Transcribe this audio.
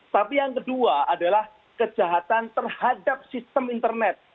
tapi yang kedua adalah kejahatan terhadap sistem internet